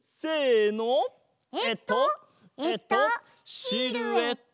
えっとえっとシルエット！